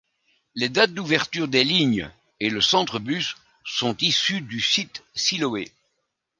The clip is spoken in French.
Les dates d'ouverture des lignes et le centre-bus sont issus du site Siloé.